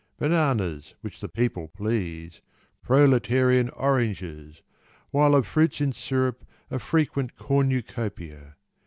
Bananas, which the People please, Proletarian oranges, While of fruits in syrup a Frequent cornucopia.